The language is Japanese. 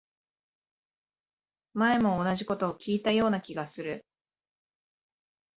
前も同じこと聞いたような気がする